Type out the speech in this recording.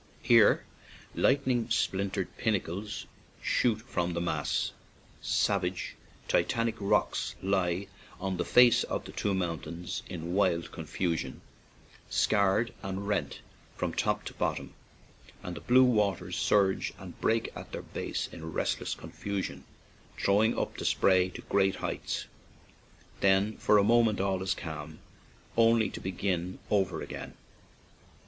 Here lightning splintered pinnacles shoot from the mass; savage, titanic rocks lie on the face of the two mountains in wild con fusion, scarred and rent from top to bot tom, and the blue waters surge and break at their base in restless confusion, throw ing up the spray to great heights. Then 86 ACHILL ISLAND for a moment all is calm, only to begin over again.